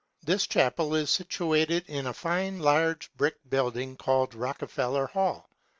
This chapel is situated in a fine large brick building called Rockefeller Hall.